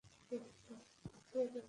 চলো, রুস্টার।